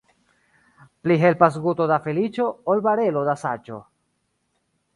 Pli helpas guto da feliĉo, ol barelo da saĝo.